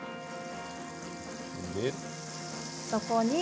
そこに。